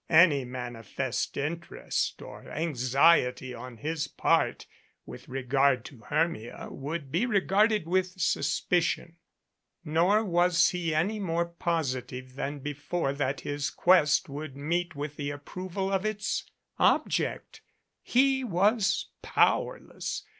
Any manifest interest or anxiety on his part with regard to Hermia would be re garded with suspicion. Nor was he any more positive than before that his quest would meet with the approval of its object. He was powerless.